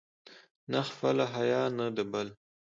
نه خپله حیا، نه د بل.